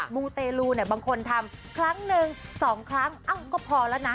มูเตลูเนี่ยบางคนทำครั้งหนึ่งสองครั้งเอ้าก็พอแล้วนะ